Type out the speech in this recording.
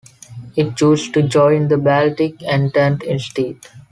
It chose to join the Baltic Entente instead.